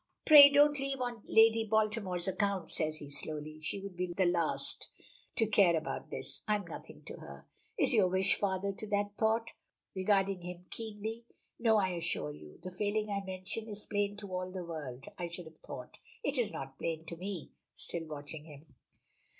"Pray don't leave on Lady Baltimore's account," says he slowly, "she would be the last to care about this. I am nothing to her." "Is your wish father to that thought?" regarding him keenly. "No. I assure you. The failing I mention is plain to all the world I should have thought." "It is not plain to me," still watching him.